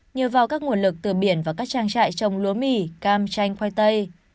nhờ vào các nguồn lực từ biển và các trang trại trồng lúa mì cam chanh khoai tây